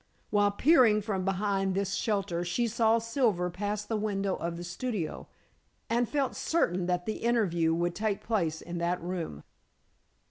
While peering from behind this shelter, she saw Silver pass the window of the studio, and felt certain that the interview, would take place in that room.